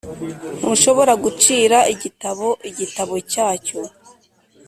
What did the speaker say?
ntushobora gucira igitabo igitabo cyacyo